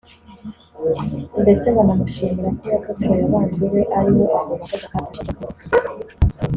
ndetse banamushimira ko yakosoye abanzi be aribo abo bakobwa Kate ashinja kumusebya